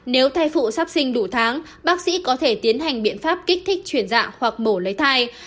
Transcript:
nếu thai phụ sắp sinh đủ tháng bác sĩ có thể tiến hành biện pháp kích thích chuyển dạng hoặc mổ lấy thai